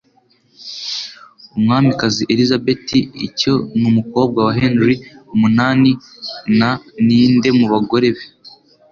Umwamikazi Elizabeth Icya Numukobwa wa Henry Umunani & Ninde Mubagore be